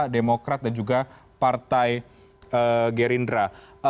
demokrat dan juga partai gerindra